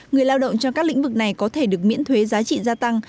người lao động trong các lĩnh vực này có thể được miễn thuế giá trị gia tăng